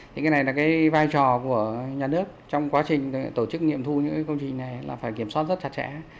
thì cái này là cái vai trò của nhà nước trong quá trình tổ chức nghiệm thu những cái công trình này là phải kiểm soát rất chặt chẽ